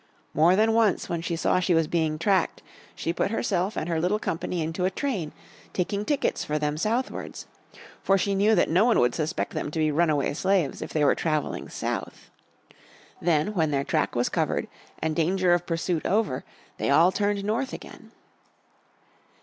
More than once when she saw she was being tracked, she put herself and her little company into a train, taking tickets for them southwards. For she knew that no one would suspect them to be runaway slaves if they were traveling south. Then, when their track was covered, and danger of pursuit over, they all turned north again.